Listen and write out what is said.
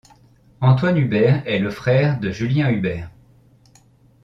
Antoine Hubert est le frère de Julien Hubert.